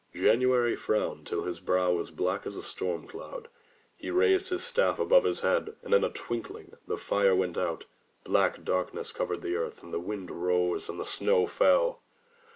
January frowned till his brow was black as a storm cloud. He raised his staff above his head, and in a twinkling, the fire went out, black darkness covered the earth, the wind rose and the snow fell.